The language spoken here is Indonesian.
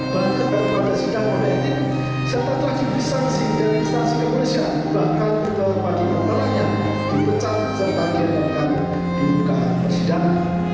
berhentikan pada sidang politik serta telah dibisansi dari instansi kepolisian bahkan juga bagi pertalanya dipecah serta diadakan di muka sidang